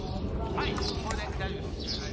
はいこれで大丈夫です。